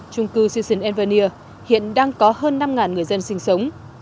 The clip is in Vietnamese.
trung cư citizen avenue hiện đang có hơn năm người dân sinh sống